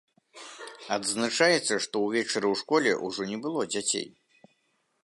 Адзначаецца, што ўвечары ў школе ўжо не было дзяцей.